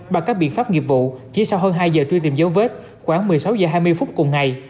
bằng các biện pháp nghiệp vụ chỉ sau hơn hai giờ truy tìm dấu vết khoảng một mươi sáu h hai mươi phút cùng ngày